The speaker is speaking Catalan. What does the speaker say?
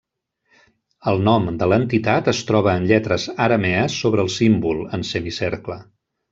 El nom de l'entitat es troba en lletres aramees sobre el símbol, en semicercle.